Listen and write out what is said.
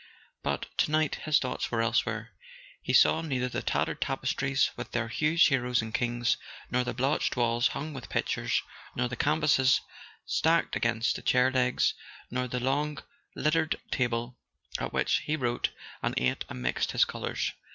But to night his thoughts were elsewhere: he saw neither the tattered tapestries with their huge heroes and kings, nor the blotched walls hung with pictures, nor the canvases stacked against the chair legs, nor the long littered table at which he wrote and ate and mixed his colours.